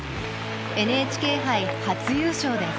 ＮＨＫ杯初優勝です。